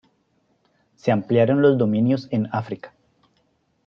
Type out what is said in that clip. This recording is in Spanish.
Se ampliaron los dominios en África.